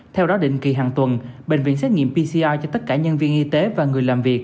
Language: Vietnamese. theo đó định kỳ hàng tuần bệnh viện xét nghiệm pcr cho tất cả nhân viên y tế và người làm việc